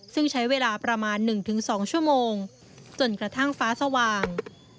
ซึ่งใช้เวลาประมาณ๑๒ชั่วโมงจนกระทั่งฟ้าสว่าง